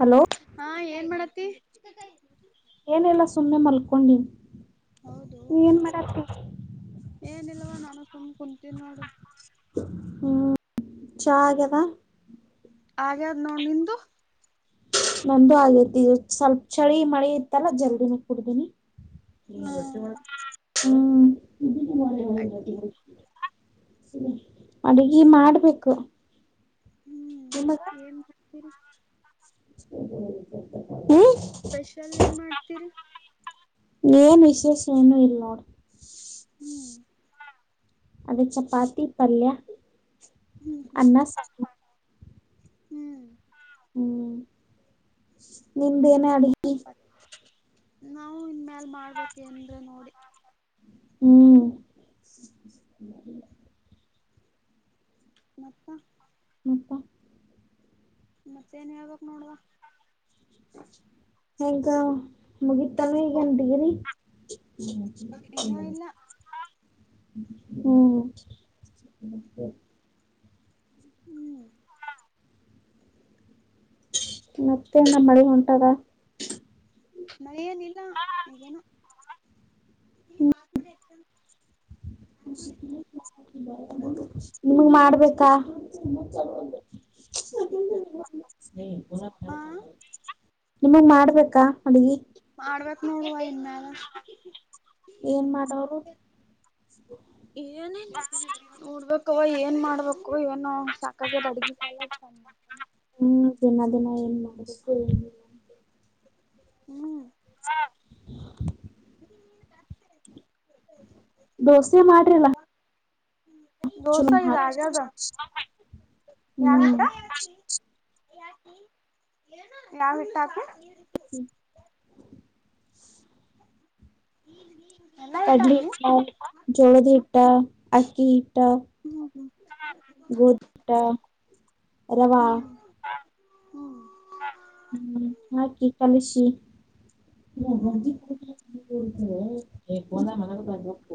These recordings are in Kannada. ಹಲೋ ಹಾ ಏನ್ ಮಾಡತಿ. ಏನಿಲ್ಲ ಸುಮ್ನೆ ಮಲ್ಕೊಂಡಿ. ಹೌದು ಏನಿಲ್ಲವ ನಾನು ಸುಮ್ ಕುಂತೀನಿ ನೋಡು. ಹ್ಮ್ ಚಾ ಆಗ್ಯಾದಾ. ಆಗ್ತಾದ್ ನೋಡ್ ನಿಂದು. ನಂದು ಆಗೇತಿ ಇ ಸ್ವಲ್ಪ ಚಳಿ ಮಳಿ ಇತ್ತಲ್ಲ ಜಲ್ದಿನೆ ಕುಡ್ದೀನಿ. ಹಾ ಹ್ಮ ಇ ಅಡ್ಗಿ [unintelligible] ಅಡಗಿ ಮಾಡ್ಬೇಕು. ನಿಮ್ಮಕ್ಕ. ಏನ್ ಹ್ಮ್ [unintelligible] [inaudible] ಸ್ಪೆಷಲ್ ಏನ್ ಮಾಡ್ತೀರಿ. ಏನ್ ವಿಶೇಷ ಏನು ಇಲ್ ನೋಡು. ಹ್ಮ್ ಅದೇ ಚಪಾತಿ ಪಲ್ಯ ಹ್ಮ್ ಹ್ಮ್ ಅನ್ನ ಹ್ಮ್ ಸಾ ಹ್ಮ್ ಹ್ಮ್ ನಿಮ್ದೇನ ಅಡಗಿ. ಚಪ್ಪತ್ ನಾವು ಇನ್ ಮ್ಯಲ್ ಮಾಡ್ಬೇಕ ನ್ನೋಡಿ ಹ್ಮ್ ಮತ್ತ ನಪ್ಪ ಮತ್ತೇನ್ ಯಾವಕ್ ನೋಡುವ ಹೇಗ ಮುಗೀತಾನು ಓ ಹಗಂಟಗಿರಿ ಇನ್ನ ಹ್ಮ ಇಲ್ಲ ಹ [unintelligible] ಹ್ಮ ಹ್ಮ್ ಮತ್ತೆ ನ ಮಳಗ ಉಂಟದ ಅ ನೀಲ್ಲಾನ ಹ್ಮ್ ನಿಮಗ್ ಮಾಡ್ಬೇಕಾ ಹಾ ನಿಮಗ್ ಮಾಡ್ಬೇಕಾ ಅಗೆ ನೋವ ಇನ್ನಾರ ಏನ್ ಮಾಡೋರು ಏನ ಹ ಅಕ್ಕವ ಏನ್ ಮಾಡ್ಬೇಕು ಏನು ಸಾಕಾಗದ್ ಅಡ್ಗ ಕಾಲ ಇತ ಹ್ಮ್ ದಿನ ದಿನ ಏನ್ ಮಾಡಬೇಕು ಹ್ಮ್ ಬರ್ತ [unintelligible] ದೋಸೆ ಮಾಡ್ರಿಲ್ಲ ದೋಸಾ [unintelligible] ಹ ಇದ ಆಗ್ಯದ ಯಾವ ಹ್ಮ ಹಿಟ್ಟ ಯಾವ ವಿತಾಕ ಹ್ಮ ಹ್ಮ ಹ್ಮ ಕಡ್ಲಿ ಇಟ್ಟ ಜೋಳದಿ ಇಟ್ಟ ಅಕ್ಕಿ ಹ್ಮ ಹ್ಮ ಗೋಟ ರವಾ ಹ್ಮ್ ಹ್ಮ್ ಹ್ಮ ಹಾಕಿ ಕಲಿಸಿ ನದಿ ಕೂಡತವೆ ಹಪ್ಪಂದ ಮನತಪ್ಪ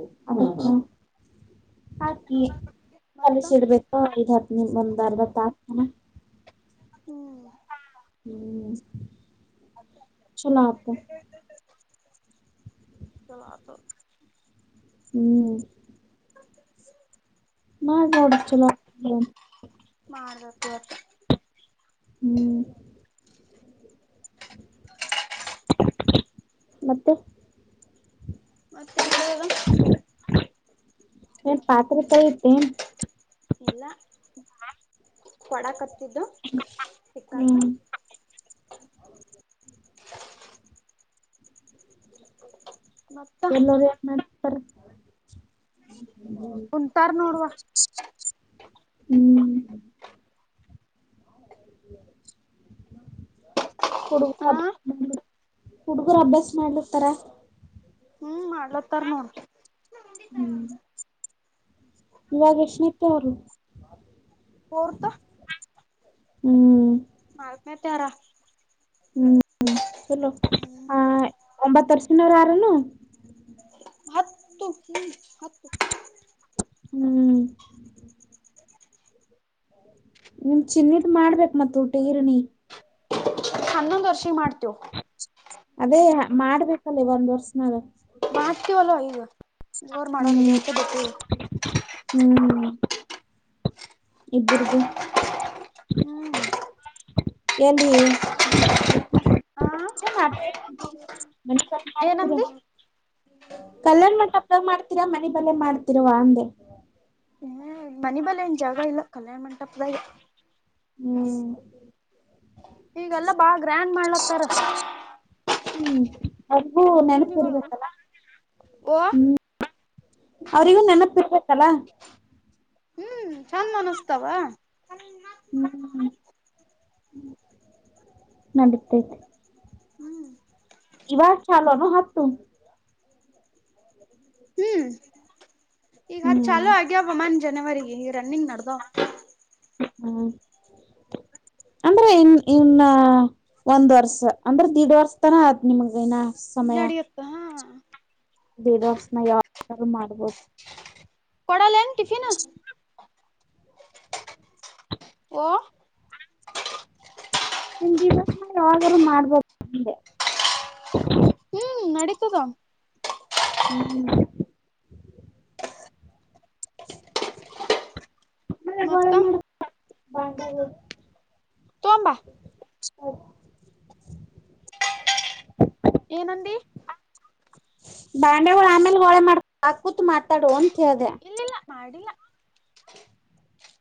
ಹಾಕಿ ಮತ್ತ ಕಲಿಸಿ ಇಡ್ಬೇಕ ಐ ಹತ್ತು ನಿಮ್ ಒಂದ್ ಅರ್ಧ ಹತ್ ಹಾಕ್ತನ ಹ್ಮ್ ಹ್ಮ್ ಚಲ ಆತಾ ಚಲ ಆತ ಹ್ಮ್ ನ ನೋಡ ಚಲ ಹದತ್ತ ಹ್ಮ್ ಮತ್ತೆ ಮತ್ತೆ ಏ ಪಾತ್ರ ತ ಇ್ದ ಇಲ್ಲ ಕೊಡಕ್ತ್ತಿದ್ದು ಸಿಕ್ಕಾಕ ಹ್ಮ್ [inaudible] ಮತ್ತ ಎಲ್ಲ ಮಾಡತಾರೆ ಕುಂತಾರ್ ನೋಡ್ವ ಹ್ಮ್ [inaudible] ಹ ಹುಡುಗರು ಹುಡುಗರು ಅಭ್ಯಾಸ ಮಾಡ್ಲಿತಾರ ಹ್ಮ್ ಮಾಡ್ಲತ್ತಾರ ನೋಡ್ ಹ್ಮ್ ಇವಾಗಶನ ತ ಅವರು ಹರ್ತ ಹ್ಮ್ ಮಲ್ಮೆ ತಾರಾ ಹ್ಮ್ ಚಲೋ ಹ ಒಂಬತ್ತರ್ಷಿನವರು ಆರನು ಹತ್ತು ಹ ಹತ್ತು ಹ್ಮ್ ನಿಮ್ ಚಿನ್ನಿಟ್ ಮಾಡ್ಬೇಕಕ್ ಮತ್ ಊಟ ಈರ್ನಿ ಹನ್ನೊಂದ ವರ್ಷಿ ಮಾಡ್ತೇವ ಅದೇ ಮಾಡ್ಬೇಕಲ್ಲೇ ಒಂದ್ ವರ್ಷನಾಗ ಮಾಡ್ತೀವಲ್ ಈಗ ಜೋರ್ ಹ್ಮ್ ಮಾಡೋರ್ತ್ತೆ ಬ ಇಬ್ಬ್ರದು ಹ್ಮ್ ಎಂದ ಹಾ ಏನಂದು ಕಲ್ಲರ್ ಮಪ್ಪಾಗ ಮಾಡ್ತೀರಾ ಮನೆ ಬಲೆ ಮಾಡ್ತಿರುವ ಅಂದೆ ಹ್ಮ್ ಮನಿ ಬಲ್ಲ ಏನ್ ಜಾಗ ಇಲ್ಲ ಕಲ್ಯಾಣ ಮಂಟಪದಲ್ಲ ಹ್ಮ ಈಗೆಲ್ಲಾ ಬಾ ಗ್ರ್ಯಾಂಡ್ ಮಾಡ್ಲಕ್ತಾರ ಹ್ಮ್ ಅಬು ನೆನಪುಿರ್ಬೇಕಲ್ಲ ಓ ಹ್ಮ್ ಅವ್ರಿಗೂ ನೆನಪಿರ್ಬೇಕಲ್ಲ ಹ್ಮ್ ಚಂದ್ ಅನಸ್ತಾವ ಹ್ಮ ನಡತೈತೆ ಹ್ಮ್ ಇವಾರ ಚಾಲನು ಹತ್ತುತ್ತುು ಹ್ಮ್ ಈಗ ಹತ್ ಹ್ಮ್ ಚಾಲೂ ಆಗ್ಯವ ಮನ್ ಜನವರಿ ಈ ರನ್ನಿಂಗ್ ನದಾ ಹ್ಮ ಹ ಅಂದ್ರೆ ಇನ್ ಇನ್ ಒಂದ್ ವರ್ಷ ಅಂದ್ರೆ ದಿಡ್ ವರ್ಷ ತನ ಆದ ನಿಮಗೈನ ನಡೆಯುತ್ತ ಹಾ ದೇಡ್ ವರ್ಷನ ಯ ಮಾಡ್ಬೋದು ಪಡ ಲೇಂಗ ಟಿಫಿನ ಓ ನಿಮ ದಿವ ಯಾವಾಗಾದ್ರರು ಮಾಡ್ಬೋ ಹ್ಮ್ ನಡತದಾ ಹ್ಮ ಹ್ಮ [inaudible] ನ ಒಳ ಮತ್ತ ಮಾಡ ಬ ತೊಂಬಾ ಹ ಏನಡಿ ಬಂಡೆಳ ಆಮೇಲೆ ಹೋಳೆ ಮಾಡಾ ಕೂತ್ ಮಾತಾಡು ಅಂತ ಹೇಳ್ದ ಇಲ್ಲಿಲ್ಲ ಮಾಡಿಲ್ಲ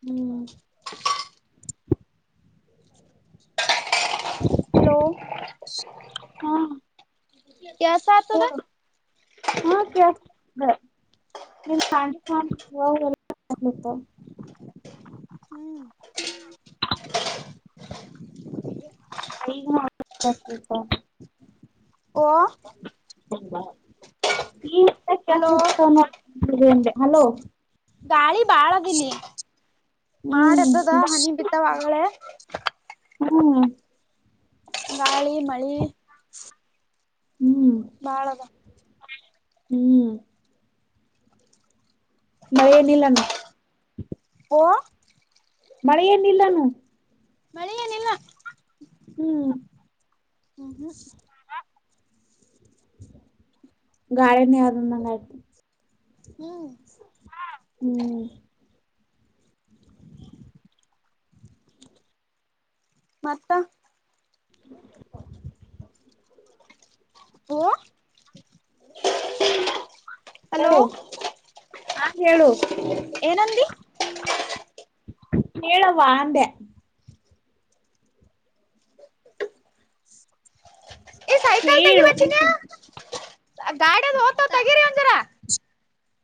ಹ್ಮ್ ಹಲೋ ಹಾ ಕ ಸಾ ದ ಹೇಳು ಹಾ ಕ [inaudible] ಹ್ಮ್ ಹ. [inaudible] [unintelligible] ಕಾಳದಲಿ ಮಾಡ ಹ್ಮ್ ಇದ್ದದ ಹನಿ ಬಿದ್ದವ ಆಗಳೇ. ಹ್ಮ್. ಗಾಳಿ ಮಳಿ. ಹ್ಮ್ ಬಾಳದವ. ಹ್ಮ್. ಮಳೆಯಲ್ಲಿಲ್ಲಾನ. ಓಹ್. ಮಳೆ ಏನಿಲ್ಲಾನೂ. ಮಳಿ ಏನಿಲ್ಲ ಹ್ಮ್ [inaudible] ಹ್ಮ್ [unintelligible] ಹ್ಮ್. ಮತ್ತ. [inaudible] ಓ ಹಲೋ ಹೇಳು ಹಾ ಹೇಳು. ಏನಂದಿ. ಹೇಳವ ಅಂದೆ. ಈ ಸೈಕಲ್ ಹೇಳು. ತೆಗಿಬಚ್ಚಿನ ಗಾಡಿಯದ ಓತ ತೆಗಿರಿ ಒಂಜರ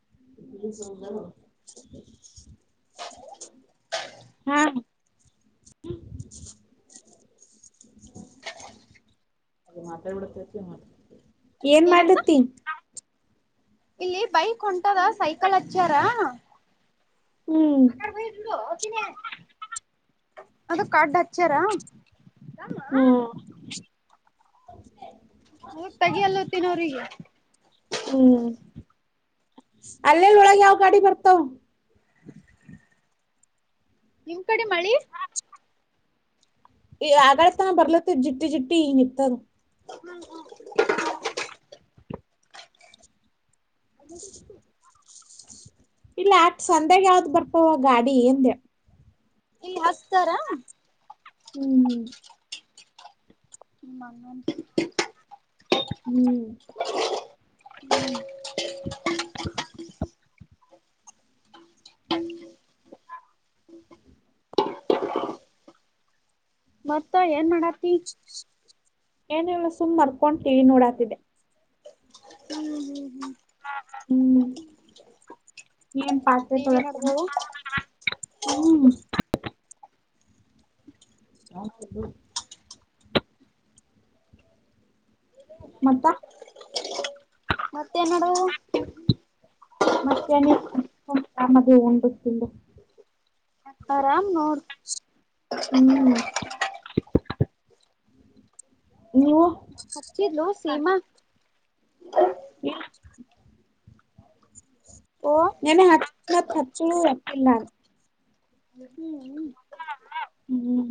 [inaudible] ಹಾ. [inaudible] ಏನ್ ಏನತ್ತ ಮಾಡ್ಲತಿೀ. ಇಲ್ಲಿ ಬೈಕ್ ಹೊಂಟದ ಸೈಕಲ್ ಹಚ್ಚಾರ. ಹ್ಮ್ ಅದಕ ಅಡ್ಡ ಹಚ್ಚಾರ. ಅದಕ್ ಹ್ಮ್. ಅವಾಗ ತಗಿಯಲ್ಲತ್ತಿನ ಅವ್ರಿಗೆ. ಅಲ್ಲೇಲ್ಲ ಒಳಗೆ ಯಾವ ಗಾಡಿ ಬರ್ತಾವ. ನಿಮ್ ಕಡೆ ಮಳಿ ಈ ಆಗಳ ತನ ಬರ್ಲತ್ತ ಜಿಟ್ಟಿ ಜಿಟ್ಟಿ ಈ ನಿತದ. [inaudible] ಇಲ್ಲ ಆಟ ಸಂಧೆಗೆ ಯಾವ್ದ್ ಬರ್ತವ ಗಾಡಿ ಅಂದೆ. ಈ ಹಸ್ತಾರಾ. ಹ್ಮ್ ಹ್ಮ್. [inaudible] ಹ್ಮ್ [inaudible] [inaudible] ಮತ್ತ ಏನ್ ಮಾಡಕ್ ಏನಲ್ಲ ಸುಮ್ಮ ಮಲ್ಕೊಂಡ ಟಿವಿ ನೋಡಾತಿದೆ. ಹ್ಮ್ ಹ್ಮ್ ಹ್ಮ್ ಹಾ ಹ್ಮ್. ಏನ್ ಪಾತ್ರೆ ಟಿವಿ ತೊಳತ್ತನು ನೋಡದವು ಹ್ಮ್. [inaudible] ಮತ್ತ. ಮತ್ತೆನ ನಾಡದದ. [unintelligible] ಆರಾಮ್ ನೋಡ. ಹ್ಮ್. ನೀವು. ಹಚ್ಚಿದ್ಲು ಸಿಮಾ. ಇಲ್ಲ. ಓ ನಿನ್ನೆ [unintelligible] ಚ್ಚಳು ಎಕ್ಕಿಲ್ಲ. ಹ್ಮ್ ಹ್ಮ.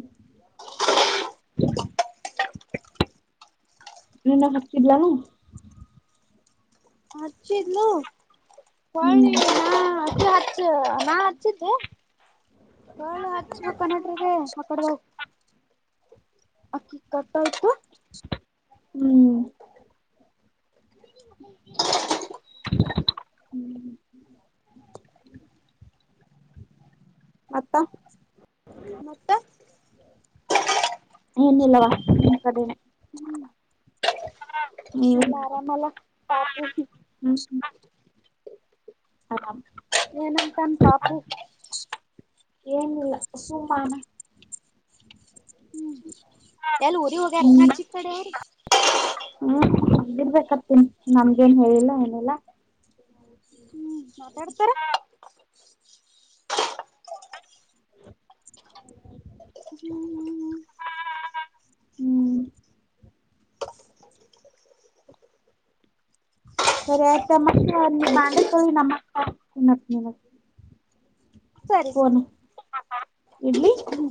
ನ ಹಚ್ಚಿದ್ಲ. ಹಚ್ಚಿದ್ಲು ಹೊಳ್ಳಿ ಹ್ಮ್ ನಾ ಹಚ್ಚ ಹಚ್ಚ ನಾ ಹಚ್ಚಿದ್ದೆ. ಹೊಳ್ಳಿ ಹಚ್ಬೇಬೇಕಅನ್ನೋಟ್ರಾಗೆ ಅಕೆಡಿ ಹೋಗ ಅಕ್ಕಿ ಕಟ್ಟಲ ಹ್ಮೂ. [inaudible] ಮತ್ತ ಮತ್ತ ಏನಿಲ್ಲವಾ ನಿಮ್ಮ ಕಡೆನೇ ಹ್ಮ್ ಎಲ್ಲ ಆರಾಮಲ್ಲ ಪಾಪು ಹಾ ಏನಾಂತನ ಪಾಪು ಏನ್ ಇಲ್ಲ ಸುಮ್ಮ ಆನ ಎಲ್ಲಿ ಊರಿಗ ಹೋಗ್ಯಾರ ಹ್ಮ್ ಅಚೀಕ್ಕಡೆ ರ ಗಿರ್ಬೇಕತ್ತನ್ ನಮ್ಗೇನ ಹೇಳಿಲ್ಲ ಎನಲ್ಲಾ. ಹ್ಮ್ ಮಾತಾಡ್ತಾರ. [inaudible] ಹ್ಮ್ ಹ್ಮು. ಸರಿ ಆಯ್ತ ಮತ್ತ ಬಂಡಿ ತೊಳಿ ನ ಮತ್ತ ಸರಿ ಸರಿ. ಇಡ್ಲಿ. ಹ್ಮ್